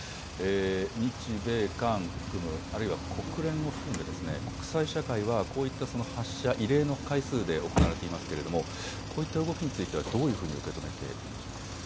日米韓含む、あるいは国連を含んで国際社会はこういった発射、異例の回数で行われていますけれども、こういった動きについては、どういうふうに受け止めているんでしょうか。